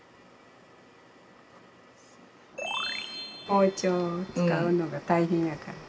包丁を使うのが大変やから。